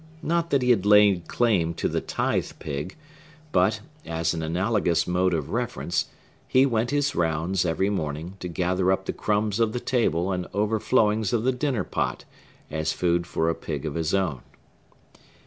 Not that he laid claim to the tithe pig; but, as an analogous mode of reverence, he went his rounds, every morning, to gather up the crumbs of the table and overflowings of the dinner pot, as food for a pig of his own.